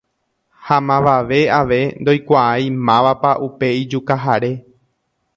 ha mavave ave ndoikuaái mávapa upe ijukahare.